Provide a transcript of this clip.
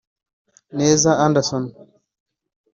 Neza Anderson